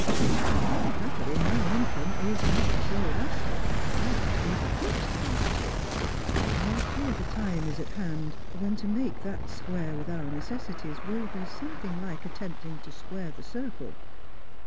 But un happily my income is not so elastic — that is a fixed quantity ; and I fear the time is at hand when to make that square with our necessities will be something hke attempting to square the circle."